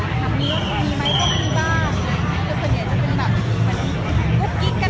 สำนึกที่มันก็ดังหรือการยูดกลิ่งกั้น